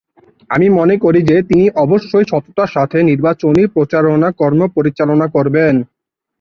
আমি মনে করি যে, তিনি অবশ্যই সততার সাথে নির্বাচনী প্রচারণা কর্ম পরিচালনা করবেন।